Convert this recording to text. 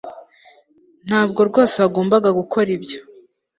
Ntabwo rwose wagombaga gukora ibyo